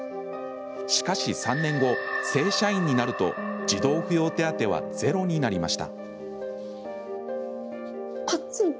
しかし３年後、正社員になると児童扶養手当はゼロになりました。